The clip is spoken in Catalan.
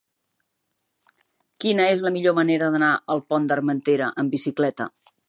Quina és la millor manera d'anar al Pont d'Armentera amb bicicleta?